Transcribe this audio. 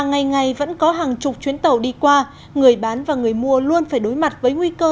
ngày ngày vẫn có hàng chục chuyến tàu đi qua người bán và người mua luôn phải đối mặt với nguy cơ